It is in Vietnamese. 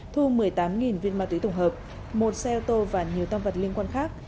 thu một mươi tám viên ma túy tổng hợp một xe ô tô và nhiều tam vật liên quan khác